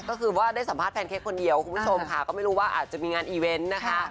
ก็คือว่าได้สัมภาษณแนนเค้กคนเดียวคุณผู้ชมค่ะก็ไม่รู้ว่าอาจจะมีงานอีเวนต์นะคะ